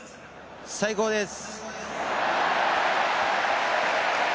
最高です。